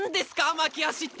巻き足って。